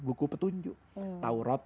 buku petunjuk taurat